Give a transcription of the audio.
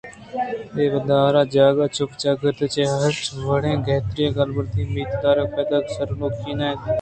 اے ودار ءُجاگہءِ چپ چاگرد ءَ چہ ہرچ وڑیں گہتری ءُکاردربر ی ءِ اُمیت دارگ بے پائدگ ءُسرگنوکی ئے اَت